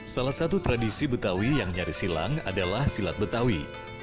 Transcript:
salah satu tradisi betawi yang nyaris hilang adalah silat betawi